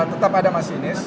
tetap ada masinis